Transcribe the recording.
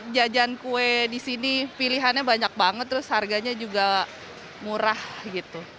jajan kue di sini pilihannya banyak banget terus harganya juga murah gitu